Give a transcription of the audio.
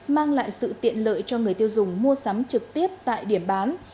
mang lại sự tiện lợi cho người tiêu dùng mua sắm trực tiếp tại điểm bán